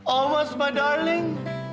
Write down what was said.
omas my darling